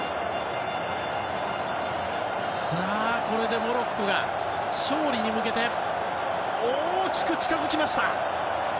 さあ、これでモロッコが勝利に向けて大きく近づきました。